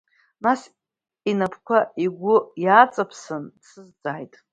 Нас инапқәа игәы иааҵаиԥсан дсазҵааит…